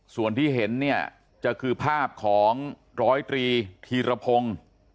ส่วนที่เห็นเนี่ยจะคือภาพของร้อยตรีธีรพงศ์